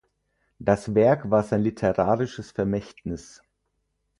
Das Werk war sein literarisches Vermächtnis.